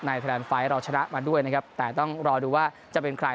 คะแนนไฟล์เราชนะมาด้วยนะครับแต่ต้องรอดูว่าจะเป็นใคร